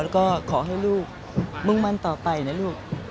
แล้วก็ขอให้ลูกมุ่งมั่นต่อไปนะลูก